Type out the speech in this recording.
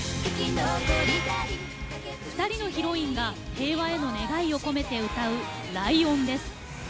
２人のヒロインが平和への願いを込めて歌う「ライオン」です。